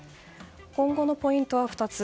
今後のポイントは２つ。